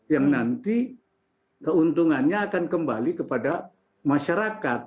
yang nanti keuntungannya akan kembali kepada masyarakat